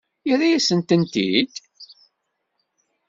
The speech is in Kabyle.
Yerra-yasent-tent-id?